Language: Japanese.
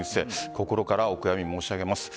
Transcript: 心からお悔やみ申し上げます。